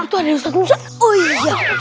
itu ada ustaz nuyuy